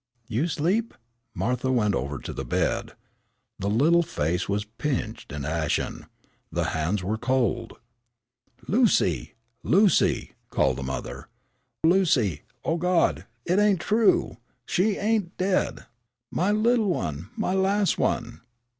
"You sleep?" Martha went over to the bed. The little face was pinched and ashen. The hands were cold. "Lucy! Lucy!" called the mother. "Lucy! Oh, Gawd! It ain't true! She ain't daid! My little one, my las' one!"